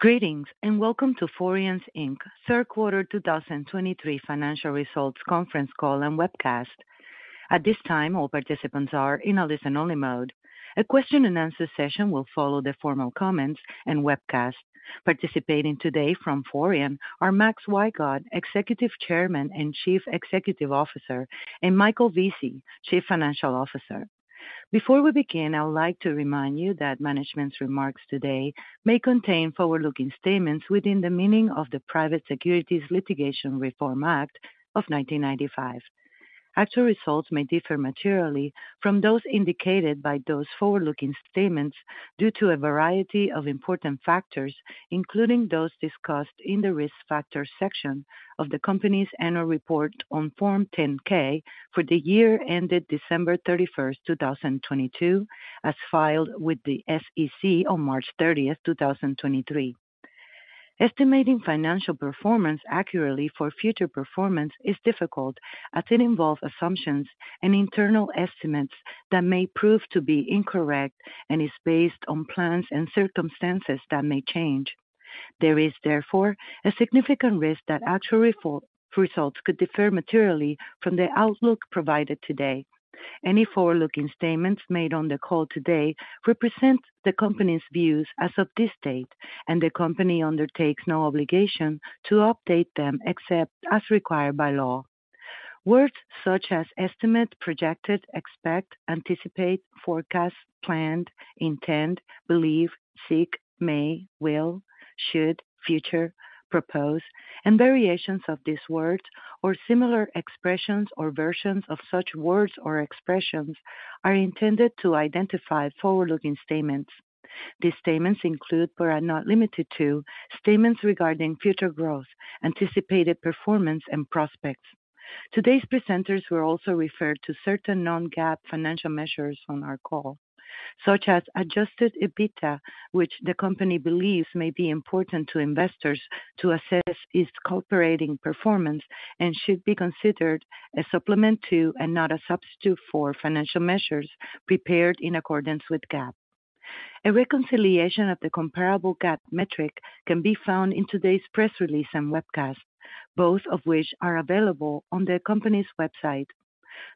Greetings, and welcome to Forian Inc.'s third quarter 2023 financial results conference call and webcast. At this time, all participants are in a listen-only mode. A question-and-answer session will follow the formal comments and webcast. Participating today from Forian are Max Wygod, Executive Chairman and Chief Executive Officer, and Michael Vesey, Chief Financial Officer. Before we begin, I would like to remind you that management's remarks today may contain forward-looking statements within the meaning of the Private Securities Litigation Reform Act of 1995. Actual results may differ materially from those indicated by those forward-looking statements due to a variety of important factors, including those discussed in the Risk Factors section of the company's annual report on Form 10-K for the year ended December 31, 2022, as filed with the SEC on March 30, 2023. Estimating financial performance accurately for future performance is difficult, as it involves assumptions and internal estimates that may prove to be incorrect and is based on plans and circumstances that may change. There is, therefore, a significant risk that actual results could differ materially from the outlook provided today. Any forward-looking statements made on the call today represent the company's views as of this date, and the company undertakes no obligation to update them except as required by law. Words such as estimate, projected, expect, anticipate, forecast, planned, intend, believe, seek, may, will, should, future, propose, and variations of these words or similar expressions or versions of such words or expressions are intended to identify forward-looking statements. These statements include, but are not limited to, statements regarding future growth, anticipated performance, and prospects. Today's presenters will also refer to certain non-GAAP financial measures on our call, such as Adjusted EBITDA, which the company believes may be important to investors to assess its operating performance and should be considered a supplement to, and not a substitute for, financial measures prepared in accordance with GAAP. A reconciliation of the comparable GAAP metric can be found in today's press release and webcast, both of which are available on the company's website.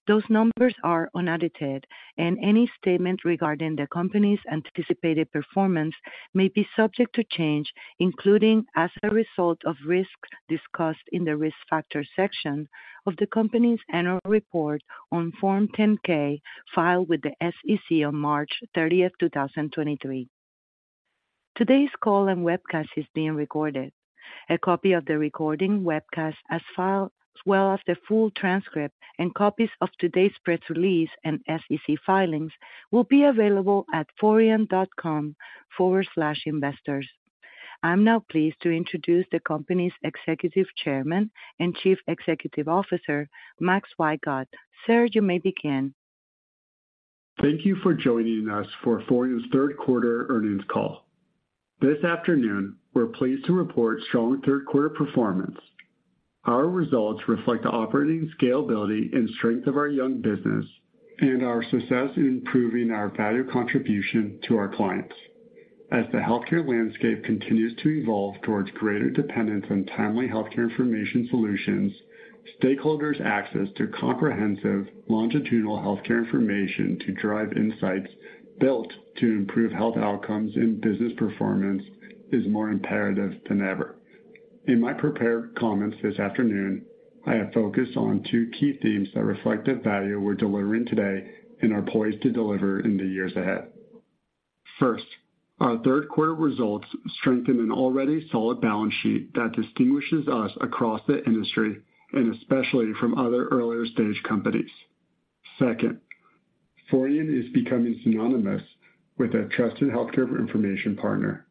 Those numbers are unaudited, and any statement regarding the company's anticipated performance may be subject to change, including as a result of risks discussed in the Risk Factors section of the company's annual report on Form 10-K, filed with the SEC on March 30, 2023. Today's call and webcast is being recorded. A copy of the recording webcast, as filed, as well as the full transcript and copies of today's press release and SEC filings, will be available at forian.com/investors. I'm now pleased to introduce the company's Executive Chairman and Chief Executive Officer, Max Wygod. Sir, you may begin. Thank you for joining us for Forian's third quarter earnings call. This afternoon, we're pleased to report strong third quarter performance. Our results reflect the operating scalability and strength of our young business and our success in improving our value contribution to our clients. As the healthcare landscape continues to evolve towards greater dependence on timely healthcare information solutions, stakeholders' access to comprehensive longitudinal healthcare information to drive insights built to improve health outcomes and business performance is more imperative than ever. In my prepared comments this afternoon, I have focused on two key themes that reflect the value we're delivering today and are poised to deliver in the years ahead. First, our third quarter results strengthen an already solid balance sheet that distinguishes us across the industry and especially from other earlier-stage companies. Second, Forian is becoming synonymous with a trusted healthcare information partner.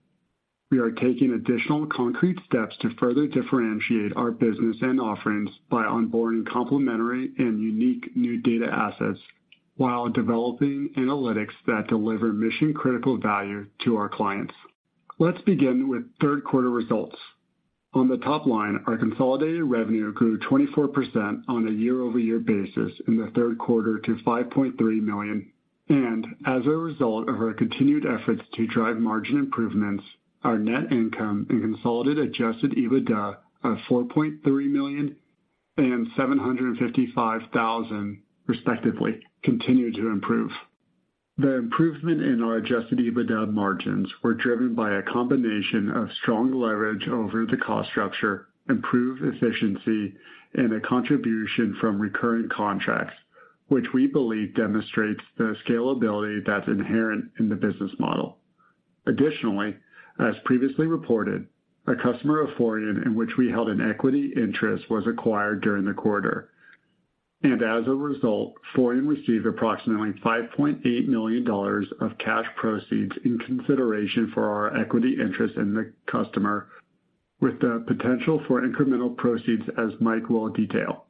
We are taking additional concrete steps to further differentiate our business and offerings by onboarding complementary and unique new data assets while developing analytics that deliver mission-critical value to our clients. Let's begin with third quarter results. On the top line, our consolidated revenue grew 24% on a year-over-year basis in the third quarter to $5.3 million, and as a result of our continued efforts to drive margin improvements, our net income and consolidated Adjusted EBITDA of $4.3 million and $755,000, respectively, continued to improve. The improvement in our Adjusted EBITDA margins were driven by a combination of strong leverage over the cost structure, improved efficiency, and a contribution from recurring contracts, which we believe demonstrates the scalability that's inherent in the business model. Additionally, as previously reported, a customer of Forian in which we held an equity interest was acquired during the quarter. And as a result, Forian received approximately $5.8 million of cash proceeds in consideration for our equity interest in the customer, with the potential for incremental proceeds, as Mike will detail.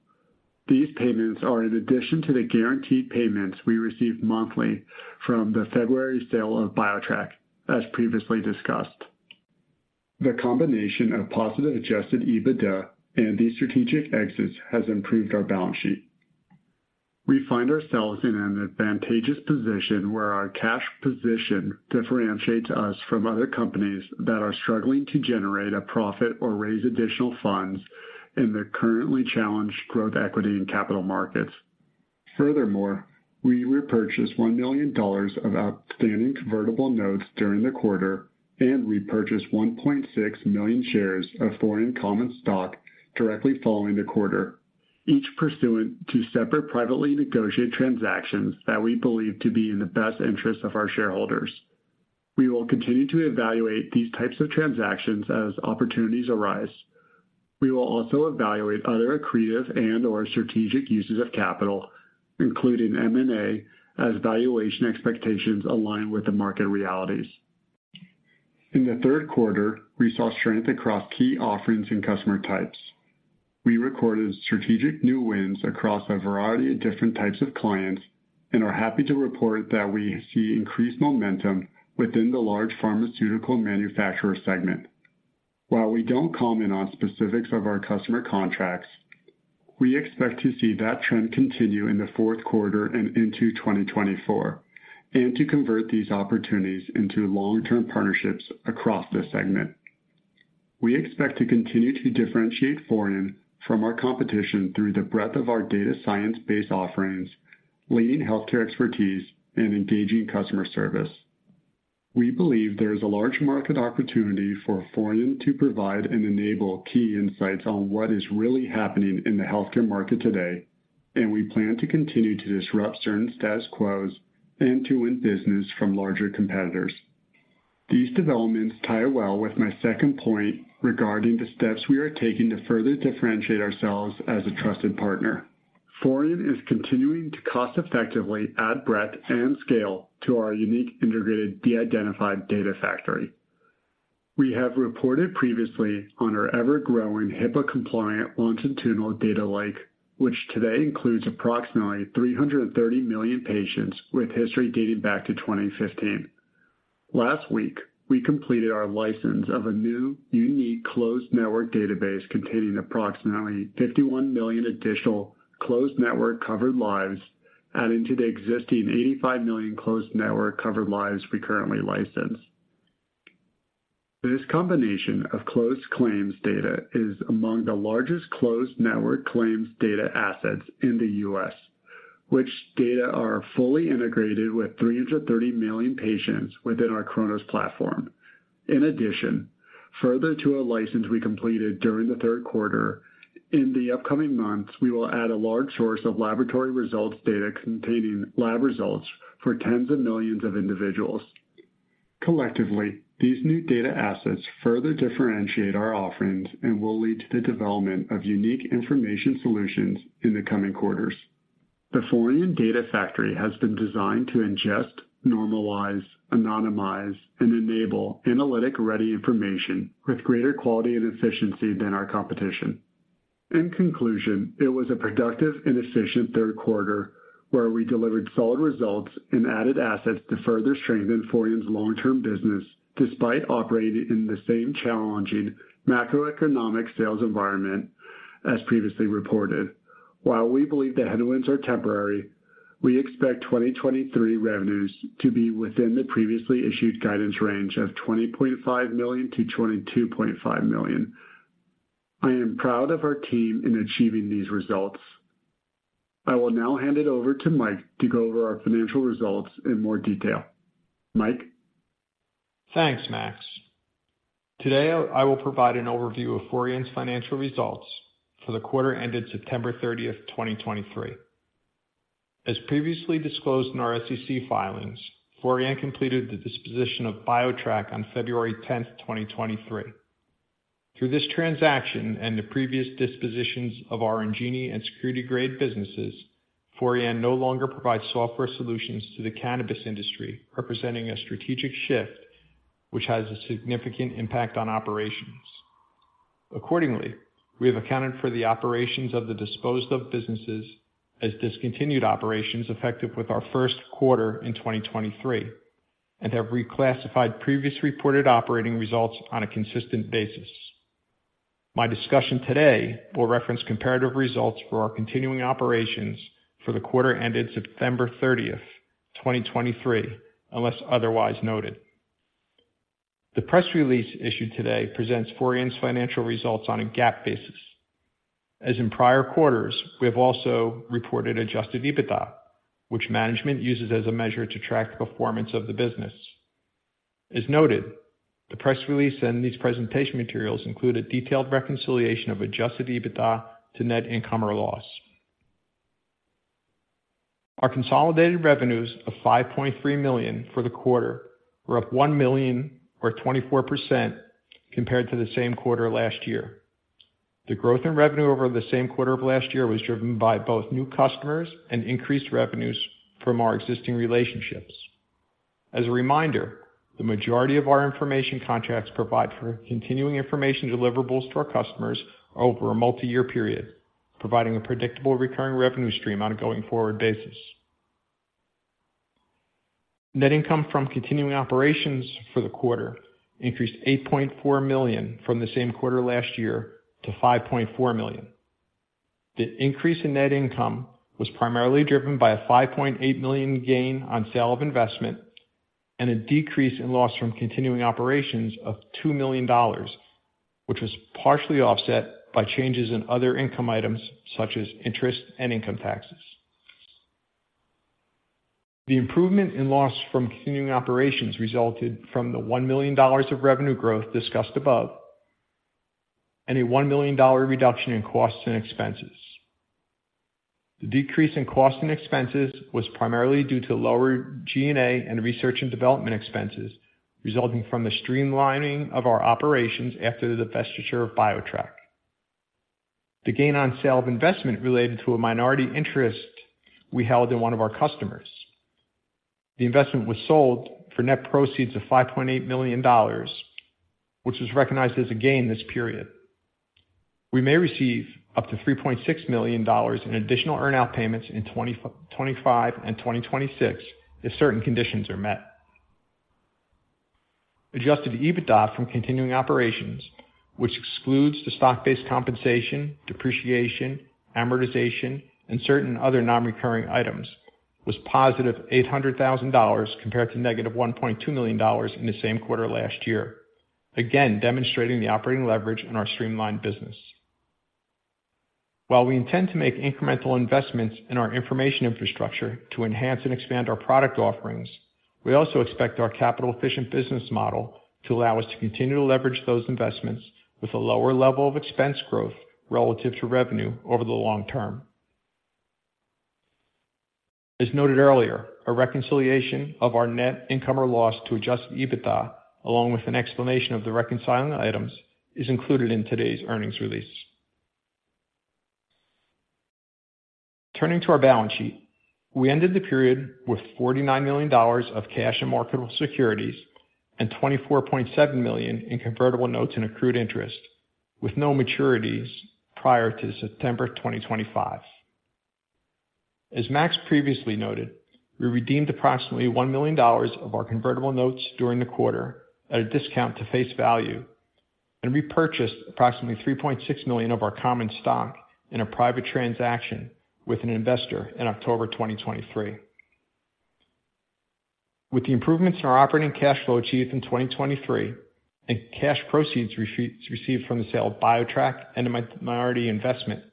These payments are in addition to the guaranteed payments we receive monthly from the February sale of BioTrack, as previously discussed. The combination of positive Adjusted EBITDA and these strategic exits has improved our balance sheet. We find ourselves in an advantageous position where our cash position differentiates us from other companies that are struggling to generate a profit or raise additional funds in the currently challenged growth equity and capital markets. Furthermore, we repurchased $1 million of outstanding convertible notes during the quarter and repurchased 1.6 million shares of Forian common stock directly following the quarter, each pursuant to separate, privately negotiated transactions that we believe to be in the best interest of our shareholders. We will continue to evaluate these types of transactions as opportunities arise. We will also evaluate other accretive and/or strategic uses of capital, including M&A, as valuation expectations align with the market realities. In the third quarter, we saw strength across key offerings and customer types. We recorded strategic new wins across a variety of different types of clients and are happy to report that we see increased momentum within the large pharmaceutical manufacturer segment. While we don't comment on specifics of our customer contracts, we expect to see that trend continue in the fourth quarter and into 2024, and to convert these opportunities into long-term partnerships across the segment. We expect to continue to differentiate Forian from our competition through the breadth of our data science-based offerings, leading healthcare expertise, and engaging customer service. We believe there is a large market opportunity for Forian to provide and enable key insights on what is really happening in the healthcare market today, and we plan to continue to disrupt certain status quos and to win business from larger competitors. These developments tie well with my second point regarding the steps we are taking to further differentiate ourselves as a trusted partner. Forian is continuing to cost effectively add breadth and scale to our unique integrated, de-identified Data Factory. We have reported previously on our ever-growing HIPAA-compliant longitudinal data lake, which today includes approximately 330 million patients with history dating back to 2015. Last week, we completed our license of a new unique closed network database containing approximately 51 million additional closed network covered lives, adding to the existing 85 million closed network covered lives we currently license. This combination of closed claims data is among the largest closed network claims data assets in the U.S., which data are fully integrated with 330 million patients within our CHRONOS platform. In addition, further to a license we completed during the third quarter, in the upcoming months, we will add a large source of laboratory results data containing lab results for tens of millions of individuals. Collectively, these new data assets further differentiate our offerings and will lead to the development of unique information solutions in the coming quarters. The Forian Data Factory has been designed to ingest, normalize, anonymize, and enable analytic-ready information with greater quality and efficiency than our competition. In conclusion, it was a productive and efficient third quarter, where we delivered solid results and added assets to further strengthen Forian's long-term business, despite operating in the same challenging macroeconomic sales environment as previously reported. While we believe the headwinds are temporary, we expect 2023 revenues to be within the previously issued guidance range of $20.5 million-$22.5 million. I am proud of our team in achieving these results. I will now hand it over to Mike to go over our financial results in more detail. Mike? Thanks, Max. Today, I will provide an overview of Forian's financial results for the quarter ended September 30, 2023. As previously disclosed in our SEC filings, Forian completed the disposition of BioTrack on February 10, 2023. Through this transaction and the previous dispositions of our Engin and Security Grade businesses, Forian no longer provides software solutions to the cannabis industry, representing a strategic shift which has a significant impact on operations. Accordingly, we have accounted for the operations of the disposed of businesses as discontinued operations, effective with our first quarter in 2023, and have reclassified previously reported operating results on a consistent basis. My discussion today will reference comparative results for our continuing operations for the quarter ended September 30, 2023, unless otherwise noted. The press release issued today presents Forian's financial results on a GAAP basis. As in prior quarters, we have also reported Adjusted EBITDA, which management uses as a measure to track the performance of the business. As noted, the press release and these presentation materials include a detailed reconciliation of Adjusted EBITDA to net income or loss. Our consolidated revenues of $5.3 million for the quarter were up $1 million or 24% compared to the same quarter last year. The growth in revenue over the same quarter of last year was driven by both new customers and increased revenues from our existing relationships. As a reminder, the majority of our information contracts provide for continuing information deliverables to our customers over a multi-year period, providing a predictable recurring revenue stream on a going-forward basis....Net income from continuing operations for the quarter increased $8.4 million from the same quarter last year to $5.4 million. The increase in net income was primarily driven by a $5.8 million gain on sale of investment and a decrease in loss from continuing operations of $2 million, which was partially offset by changes in other income items, such as interest and income taxes. The improvement in loss from continuing operations resulted from the $1 million of revenue growth discussed above, and a $1 million reduction in costs and expenses. The decrease in costs and expenses was primarily due to lower G&A and research and development expenses, resulting from the streamlining of our operations after the divestiture of BioTrack. The gain on sale of investment related to a minority interest we held in one of our customers. The investment was sold for net proceeds of $5.8 million, which was recognized as a gain this period. We may receive up to $3.6 million in additional earn-out payments in 2025 and 2026, if certain conditions are met. Adjusted EBITDA from continuing operations, which excludes the stock-based compensation, depreciation, amortization, and certain other non-recurring items, was $800,000 compared to -$1.2 million in the same quarter last year. Again, demonstrating the operating leverage in our streamlined business. While we intend to make incremental investments in our information infrastructure to enhance and expand our product offerings, we also expect our capital-efficient business model to allow us to continue to leverage those investments with a lower level of expense growth relative to revenue over the long term. As noted earlier, a reconciliation of our net income or loss to Adjusted EBITDA, along with an explanation of the reconciling items, is included in today's earnings release. Turning to our balance sheet. We ended the period with $49 million of cash and marketable securities and $24.7 million in convertible notes and accrued interest, with no maturities prior to September 2025. As Max previously noted, we redeemed approximately $1 million of our convertible notes during the quarter at a discount to face value and repurchased approximately $3.6 million of our common stock in a private transaction with an investor in October 2023. With the improvements in our operating cash flow achieved in 2023 and cash proceeds received from the sale of BioTrack and the minority investment,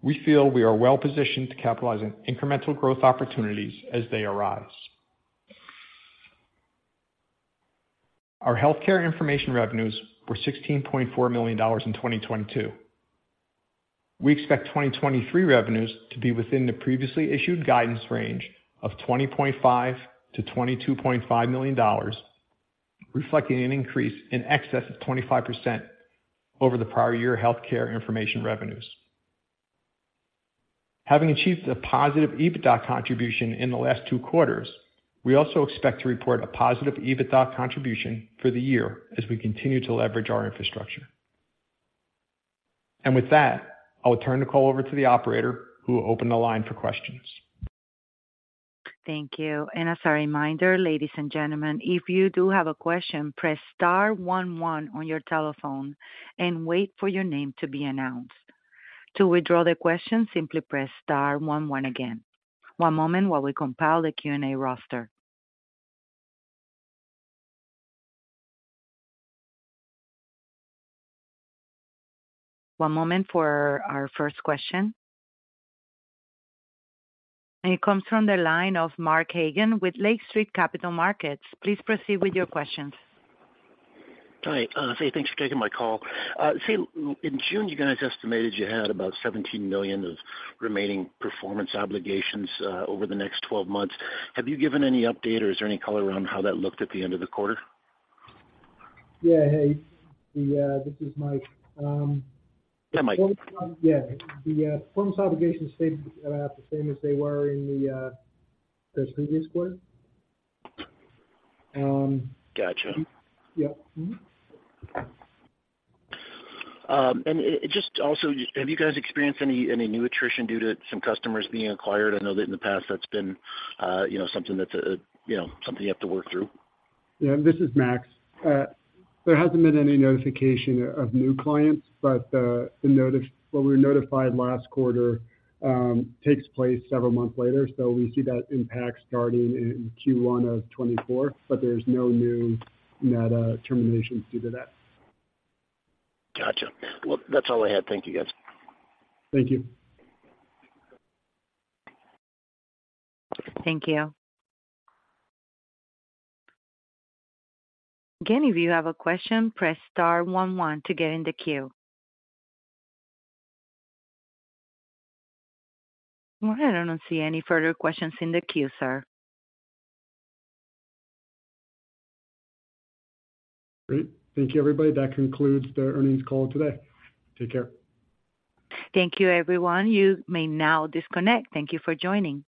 we feel we are well positioned to capitalize on incremental growth opportunities as they arise. Our healthcare information revenues were $16.4 million in 2022. We expect 2023 revenues to be within the previously issued guidance range of $20.5 million-$22.5 million, reflecting an increase in excess of 25% over the prior year healthcare information revenues. Having achieved a positive EBITDA contribution in the last two quarters, we also expect to report a positive EBITDA contribution for the year as we continue to leverage our infrastructure. And with that, I will turn the call over to the operator, who will open the line for questions. Thank you. And as a reminder, ladies and gentlemen, if you do have a question, press star one one on your telephone and wait for your name to be announced. To withdraw the question, simply press star one one again. One moment while we compile the Q&A roster. One moment for our first question. And it comes from the line of Mark Hagen with Lake Street Capital Markets. Please proceed with your questions. Hi, hey, thanks for taking my call. Say, in June, you guys estimated you had about $17 million of remaining performance obligations over the next 12 months. Have you given any update or is there any color around how that looked at the end of the quarter? Yeah, hey. This is Mike. Yeah, Mike. Yeah. The performance obligations stayed the same as they were in the previous quarter. Gotcha. Yep. Mm-hmm. And I just also, have you guys experienced any new attrition due to some customers being acquired? I know that in the past that's been, you know, something that's, you know, something you have to work through. Yeah, this is Max. There hasn't been any notification of new clients, but what we were notified last quarter takes place several months later. So we see that impact starting in Q1 of 2024, but there's no new net terminations due to that. Gotcha. Well, that's all I had. Thank you, guys. Thank you. Thank you. Again, if you have a question, press star one one to get in the queue. All right, I don't see any further questions in the queue, sir. Great. Thank you, everybody. That concludes the earnings call today. Take care. Thank you, everyone. You may now disconnect. Thank you for joining.